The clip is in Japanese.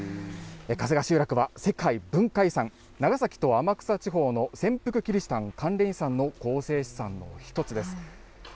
春日集落は世界文化遺産、長崎と天草地方の潜伏キリシタン関連遺産の構成資産の一つです。